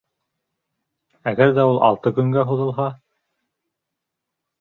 Әгәр ҙә ул алты көнгә һуҙылһа?